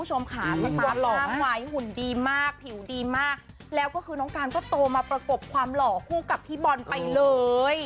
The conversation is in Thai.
ใช่ค่ะน้องการก็โตมาประกบความหล่อคู่กับพี่บอลไปเลย